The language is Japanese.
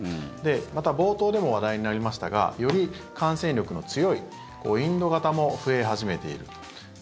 また、冒頭でも話題になりましたがより感染力の強いインド型も増え始めている。